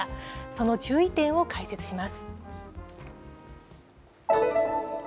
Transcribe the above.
その注意点を解説します。